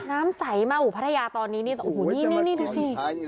น้ำใสมากอุพัทยาตอนนี้นี่โอ้โหนี่ดูสิ